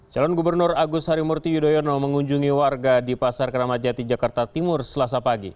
calon gubernur agus harimurti yudhoyono mengunjungi warga di pasar keramajati jakarta timur selasa pagi